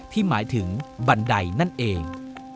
หมายถึงบันไดนั่นเอง